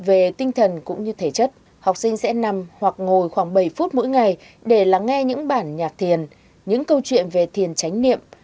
về tinh thần cũng như thể chất học sinh sẽ nằm hoặc ngồi khoảng bảy phút mỗi ngày để lắng nghe những bản nhạc thiền những câu chuyện về thiền tránh niệm